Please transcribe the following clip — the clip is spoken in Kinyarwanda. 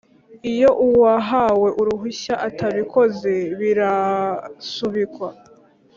iyo uwahawe uruhushya atabikoze birasubikwa